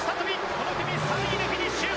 この組３位でフィニッシュ！